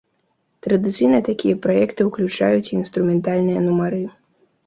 Традыцыйна такія праекты ўключаюць і інструментальныя нумары.